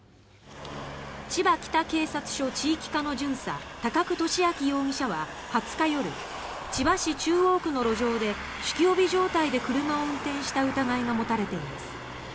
千葉北警察署地域課の巡査高久利明容疑者は２０日夜千葉市中央区の路上で酒気帯び状態で車を運転した疑いが持たれています。